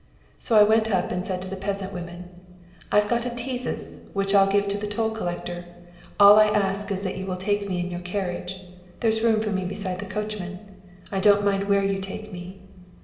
So I went up and said to the peasant women: 'I've got a tizes which I'll give to the toll collector; all that I ask is that you will take me in your carriage there's room for me beside the coachman. I don't mind where you take me.'